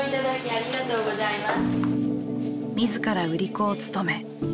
ありがとうございます。